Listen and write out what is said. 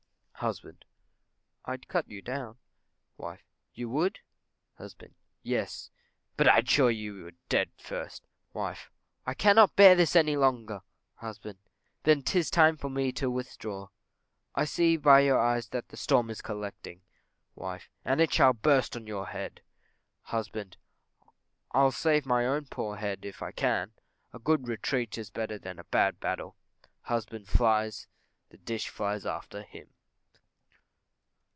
Husband. I'd cut you down. Wife. You would? Husband. Yes, but I'd be sure you were dead first. Wife. I cannot bear this any longer. Husband. Then 'tis time for me to withdraw; I see by your eyes that the storm is collecting. Wife. And it shall burst on your head. Husband. I'll save my poor head, if I can. A good retreat is better than a bad battle. (_Husband flies, the dish flies after him.